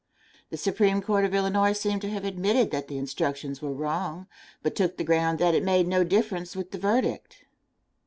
The Supreme Court of Illinois seemed to have admitted that the instructions were wrong, but took the ground that it made no difference with the verdict.